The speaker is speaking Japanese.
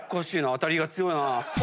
当たりが強いな。